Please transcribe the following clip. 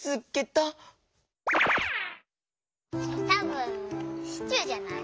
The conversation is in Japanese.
たぶんシチューじゃない？